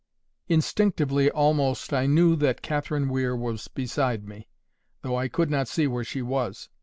Instinctively almost I knew that Catherine Weir was beside me, though I could not see where she was.